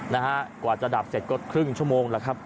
นะฮะกว่าจะดับเสร็จก็ครึ่งชั่วโมงแล้วครับ